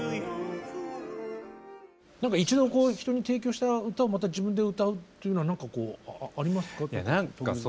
何か一度人に提供した歌をまた自分で歌うっていうのは何かこうありますか？